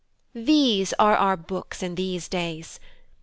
these are our books in these days!